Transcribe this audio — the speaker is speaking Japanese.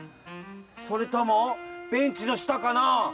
それともベンチのしたかな？